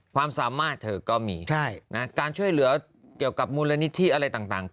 ความสามารถเธอก็มีการช่วยเหลือเกี่ยวกับมูลนิธิอะไรต่าง